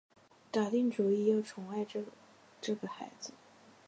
打定主意要宠爱着这个孩子